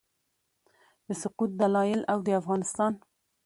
د سقوط دلایل او د افغانستان